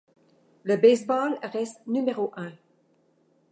Le base-ball reste numéro un.